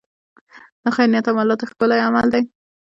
د خیر نیت هم الله ته ښکلی عمل دی.